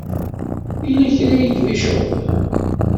Yella kra i kem-iceɣben?